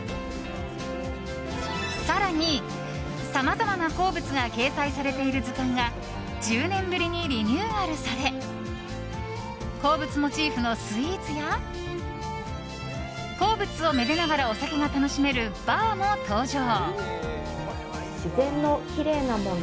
更に、さまざまな鉱物が掲載されている図鑑が１０年ぶりにリニューアルされ鉱物モチーフのスイーツや鉱物をめでながらお酒が楽しめるバーも登場。